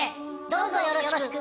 どうぞよろしく。